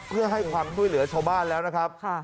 เพื่อให้ความช่วยเหลือชาวบ้านแล้วนะครับ